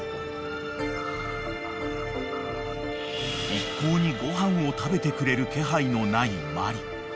［一向にごはんを食べてくれる気配のないマリ］